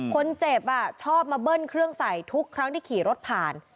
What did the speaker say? คนเจ็บชอบมาเบิ้ลเครื่องใส่ทุกครั้งที่ขี่รถผ่าน